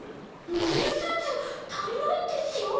モビルスーツ足りないですよ？